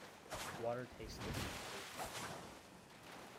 Water tastes different regionally.